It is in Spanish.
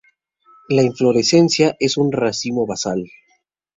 La inflorescencia es un racimo basal.